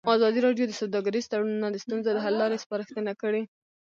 ازادي راډیو د سوداګریز تړونونه د ستونزو حل لارې سپارښتنې کړي.